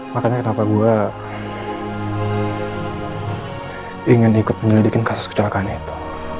makanya kenapa gua ingin ikut menelidik kasus kecelakaan itu